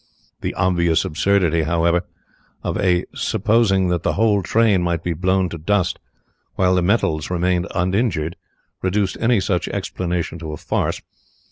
The obvious absurdity, however, of supposing that the whole train might be blown to dust while the metals remained uninjured reduced any such explanation to a farce.